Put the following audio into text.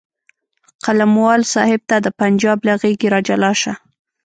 قلموال صاحب ته د پنجاب له غېږې راجلا شه.